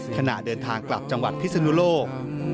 ขณะเดินทางกลับจังหวัดพิศนุโลก